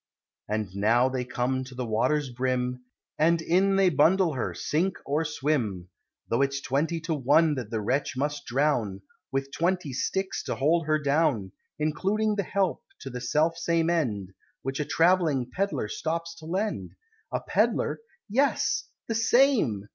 And now they come to the water's brim And in they bundle her sink or swim; Though it's twenty to one that the wretch must drown, With twenty sticks to hold her down; Including the help to the self same end, Which a travelling Pedlar stops to lend. A Pedlar! Yes! The same!